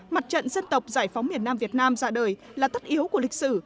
mặt trận dân tộc giải phóng miền nam việt nam ra đời là tất yếu của lịch sử